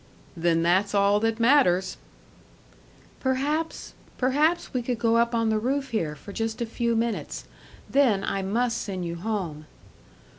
"Then that's all that matters!" "Perhaps perhaps we could go up on the roof here for just a few minutes. Then I must send you home."